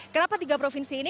kenapa tiga provinsi ini